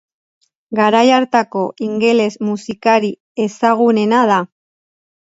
Garai hartako ingeles musikari ezagunena da.